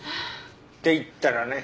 って言ったらね